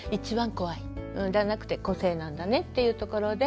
じゃなくて個性なんだねっていうところで。